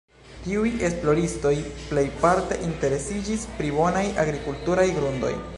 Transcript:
Tiuj esploristoj plejparte interesiĝis pri bonaj agrikulturaj grundoj.